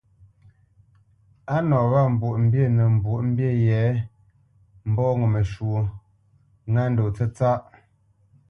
A nɔ wâ Mbwoʼmbî nə mbwoʼnə́ mbî yě mbɔ́ ŋo məshwɔ̌ ŋá ndó tsətsâ .